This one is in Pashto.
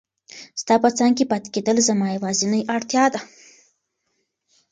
ستا په څنګ کې پاتې کېدل زما یوازینۍ اړتیا ده.